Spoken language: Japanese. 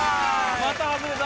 また外れた。